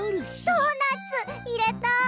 ドーナツいれた！？